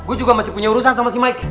gue juga masih punya urusan sama si mike